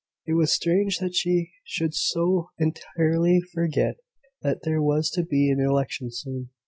It was strange that she should so entirely forget that there was to be an election soon.